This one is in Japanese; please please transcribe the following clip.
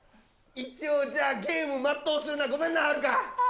一応じゃあ、ゲーム全うするな、ごめんな、はるか。